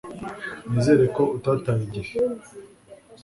Nizere ko utataye igihe